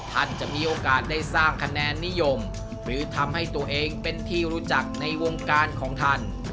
ท่านจะมีโอกาสได้สร้างคะแนนนิยมหรือทำให้ตัวเองเป็นที่รู้จักในวงการของท่าน